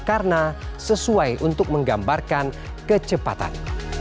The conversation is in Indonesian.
karena sesuai untuk menggambarkan kecepatan